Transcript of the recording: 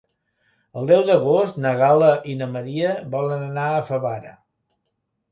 El deu d'agost na Gal·la i na Maria volen anar a Favara.